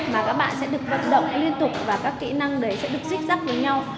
mà các bạn sẽ được vận động liên tục và các kỹ năng đấy sẽ được xích rác với nhau